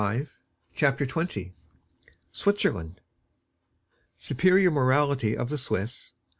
CHAPTER XX. SWITZERLAND. Superior Morality of the Swiss.